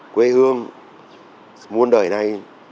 quê hương muôn đời nay